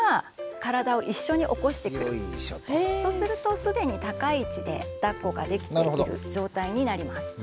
そうすると既に高い位置でだっこができている状態になります。